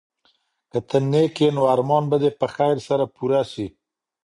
که ته نېک یې نو ارمان به دي په خیر سره پوره سي.